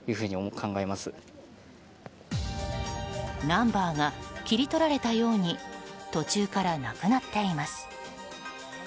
ナンバーが切り取られたように途中からなくなっています。